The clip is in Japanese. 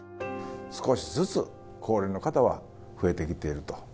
少しずつ高齢の方は増えてきていると。